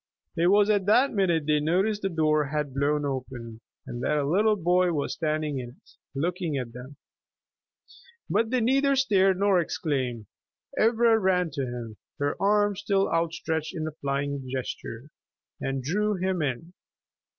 It was at that minute they noticed the door had blown open, and that a little boy was standing in it, looking at them. But they neither stared nor exclaimed. Ivra ran to him, her arms still outstretched in the flying gesture, and drew him in.